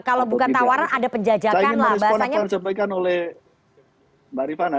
kalau bukan tawaran ada penjajakan lah